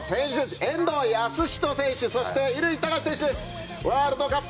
遠藤保仁選手そして乾貴士選手です。